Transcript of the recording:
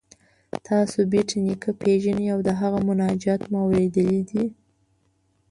تاسو بېټ نیکه پيژنئ او د هغه مناجات مو اوریدلی دی؟